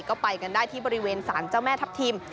ก็ไปกันได้ที่บริเวณสารเจ้าแม่ทัพทิม